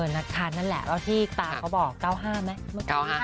นักฐานนั่นแหละแล้วที่ตาเขาบอก๙๕ไหม